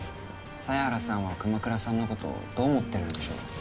犀原さんは熊倉さんのことをどう思ってるんでしょう。